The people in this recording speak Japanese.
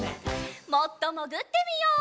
もっともぐってみよう。